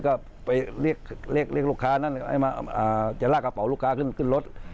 ก็ไปเรียกลูกค้านั่นมาจะลากกระเป๋าลูกค้าขึ้นรถ